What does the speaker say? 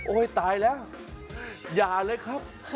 ตายแล้วอย่าเลยครับ